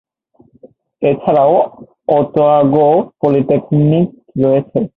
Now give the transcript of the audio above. এছাড়াও Otago polytechnic রয়েছে।